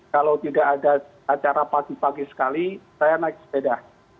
kalau tidak ada acara pagi pagi sekali saya naik sepeda